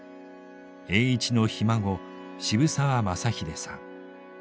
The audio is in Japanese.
栄一のひ孫渋沢雅英さん。